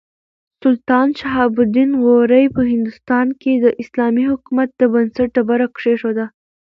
سلطان شهاب الدین غوري په هندوستان کې د اسلامي حکومت د بنسټ ډبره کېښوده.